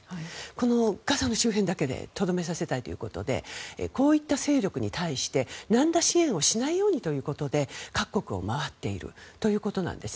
このガザの周辺だけでとどめさせたいということでこういった勢力に対してなんら支援をしないようにということで各国を回っているということです。